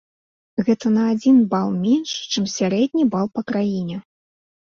Гэта на адзін бал менш, чым сярэдні бал па краіне!